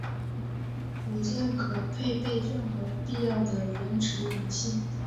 火箭可配备任何必要的延迟引信。